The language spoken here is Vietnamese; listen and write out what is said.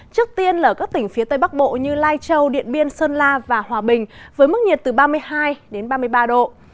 trước tiên là ở các tỉnh phía tây bắc bộ như lai châu điện biên sơn la và hòa bình với mức nhiệt từ ba mươi hai đến ba mươi ba độ